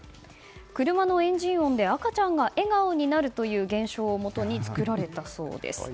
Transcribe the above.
車のエンジン音で赤ちゃんが笑顔になるという現象をもとに作られたそうです。